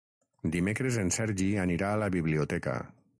Dimecres en Sergi anirà a la biblioteca.